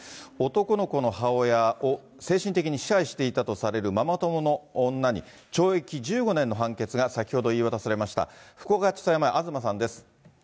男の子の母親を精神的に支配していたとされるママ友の女に、懲役１５年の判決が先ほど言い渡されました。